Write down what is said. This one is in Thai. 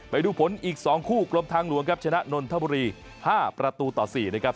ไปดูผลอีก๒คู่กรมทางหลวงครับชนะนนทบุรี๕ประตูต่อ๔นะครับ